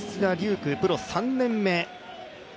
空、プロ３年目。